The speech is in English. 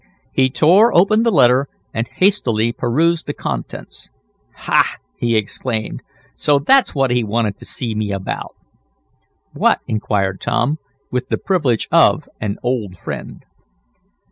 He tore open the letter, and hastily perused the contents. "Ha!" he exclaimed. "So that's what he wanted to see me about!" "What?" inquired Tom, with the privilege of an old friend.